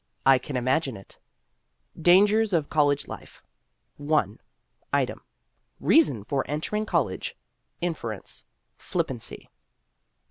I can imagine it : DANGERS OF COLLEGE LIFE I. Item : Reason for entering college. Inference : Flippancy.